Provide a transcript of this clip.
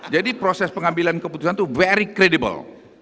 jadi proses pengambilan keputusan itu very credible